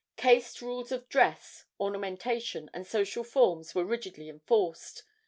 Caste rules of dress, ornamentation and social forms were rigidly enforced.